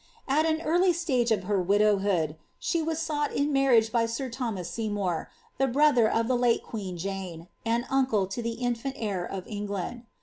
At an early stage of her widowhood, d was sought in marriage by sir Thomas Seymour, the brother of the li queen Jane, and uncle to the infant heir of England.